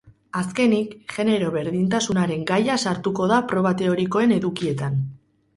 Azkenik, genero-berdintasunaren gaia sartuko da proba teorikoen edukietan.